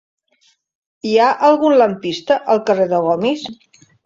Hi ha algun lampista al carrer de Gomis?